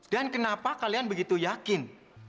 dan kenapa kalian begitu yakin